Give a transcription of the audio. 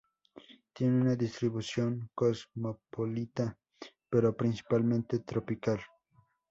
Tiene una distribución cosmopolita, pero principalmente tropical.